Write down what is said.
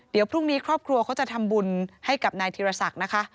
เดี๋ยวพรุ่งนี้ครอบครัวเขาจะทำบุญให้กับนายธีรศักดิ์นะคะ